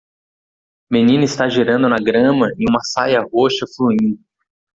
Menina está girando na grama em uma saia roxa fluindo